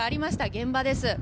現場です。